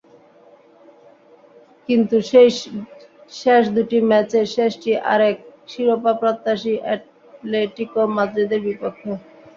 কিন্তু সেই শেষ দুটি ম্যাচের শেষটি আরেক শিরোপাপ্রত্যাশী অ্যাটলেটিকো মাদ্রিদের বিপক্ষে।